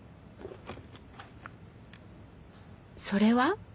それは？